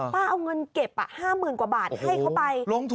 เอาเงินเก็บ๕๐๐๐กว่าบาทให้เขาไป